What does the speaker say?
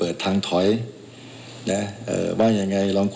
แต่เจ้าตัวก็ไม่ได้รับในส่วนนั้นหรอกนะครับ